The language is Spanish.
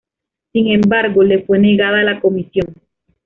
Sin embargo, le fue negada la comisión.